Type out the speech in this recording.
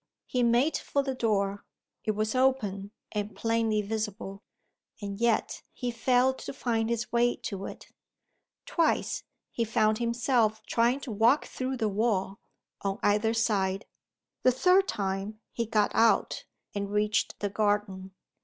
He made for the door. It was open, and plainly visible and yet, he failed to find his way to it. Twice, he found himself trying to walk through the wall, on either side. The third time, he got out, and reached the garden.